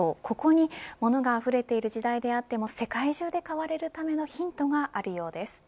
ここにものがあふれている時代であっても世界中で変われるためのヒントがあるようです。